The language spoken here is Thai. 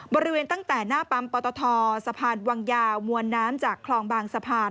บริเวณตั้งแต่หน้าปั๊มปตทสะพานวังยาวมวลน้ำจากคลองบางสะพาน